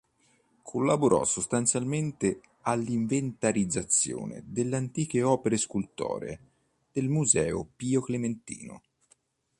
Collaborò sostanzialmente all'inventarizzazione delle antiche opere scultoree del Museo Pio-Clementino.